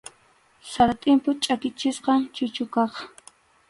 Sara tʼimpu chʼakichisqam chuchuqaqa.